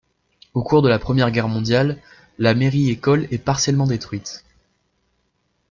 Au cours de la Première Guerre mondiale, la mairie-école est partiellement détruite.